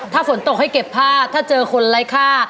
ถ้าฝนตกให้เก็บผ้าถ้าเจอคนไร้ค่า